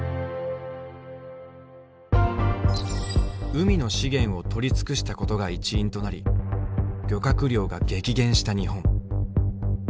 海の資源を取り尽くしたことが一因となり漁獲量が激減した日本。